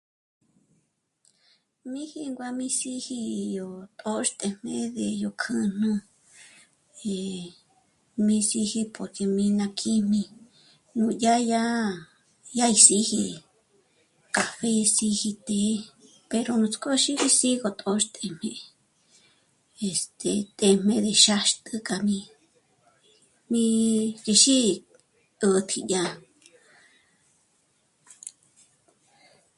Mí jíngua mí síji'i yó tôxtëjme ndé yó kjǘjnü, eh... mí síji pjò'tü mí ná kíjmi núdya, yá... yá í síji café síji té pero nuts'k'ó xíji sí go tóxtëjme este... té jmé bíxáxkü k'a mí... mí gí xǐ'i 'ätji yá